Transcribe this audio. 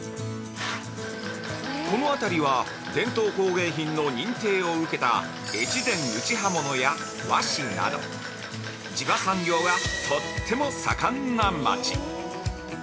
この辺りは、伝統工芸品の認定を受けた越前打刃物や和紙など地場産業がとっても盛んな町。